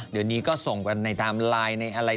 เดี๋ยวนี้ก็ส่งในไลน์อะไรต่ออะไร